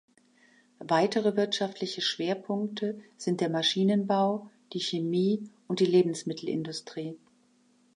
Weitere wirtschaftliche Schwerpunkte sind der Maschinenbau, die Chemie- und die Lebensmittelindustrie.